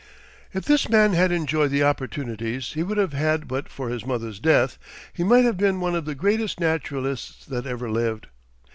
If this man had enjoyed the opportunities he would have had but for his mother's death, he might have been one of the greatest naturalists that ever lived.